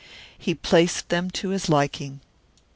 He placed them to his liking.